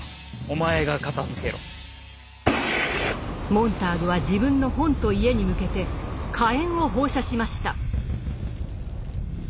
モンターグは自分の本と家に向けて火炎を放射しました。